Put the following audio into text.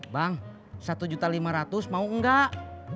bang satu lima ratus mau enggak